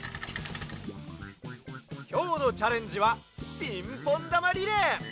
きょうのチャレンジはピンポンだまリレー！